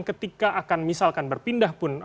ketika akan misalkan berpindah pun